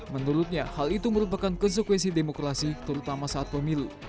menurutnya hal itu merupakan konsekuensi demokrasi terutama saat pemilu